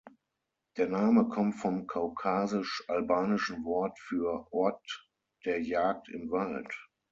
Der Name kommt vom kaukasisch-albanischen Wort für "Ort der Jagd im Wald".